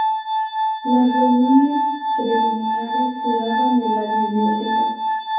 Las reuniones preliminares se daban en la biblioteca.